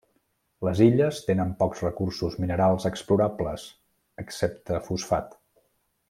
Les illes tenen pocs recursos minerals explorables, excepte fosfat.